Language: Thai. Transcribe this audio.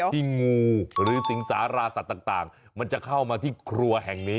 งูหรือสิงสาราสัตว์ต่างมันจะเข้ามาที่ครัวแห่งนี้